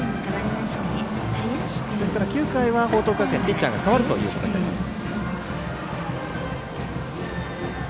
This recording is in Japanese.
９回は報徳学園、ピッチャーが代わるということになります。